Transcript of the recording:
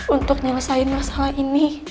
untuk nyelesain masalah ini